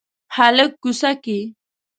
هلک کوڅه کې